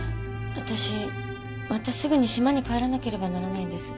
わたしまたすぐに島に帰らなければならないんです。